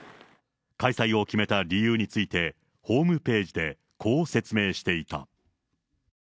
開催を決めた理由について、ホームページでこう説明していた。